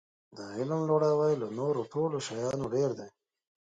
د علم لوړاوی له نورو ټولو شیانو ډېر دی.